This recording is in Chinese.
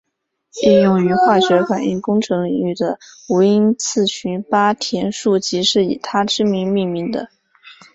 应用于化学反应工程领域的无因次群八田数即是以他之名命名的。